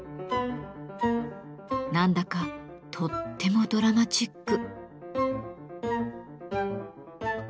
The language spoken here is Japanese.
何だかとってもドラマチック。